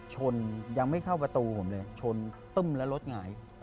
ชนยังไม่เข้าประตูผมเลยชนตึ้มแล้วรถหงาย